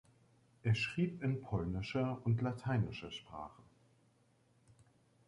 Er schrieb in polnischer und lateinischer Sprache.